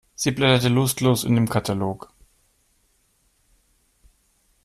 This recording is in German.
Sie blätterte lustlos in dem Katalog.